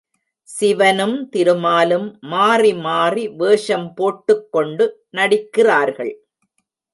சிவனும் திருமாலும் மாறி மாறி வேஷம் போட்டுக் கொண்டு நடிக்கிறார்கள்.